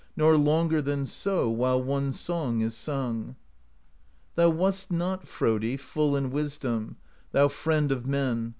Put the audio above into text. Nor longer than so, While one song is sung.' 'Thou wast not, Frodi, P'ull in wisdom. Thou friend of men.